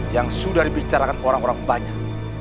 yang sudah dibicarakan orang orang banyak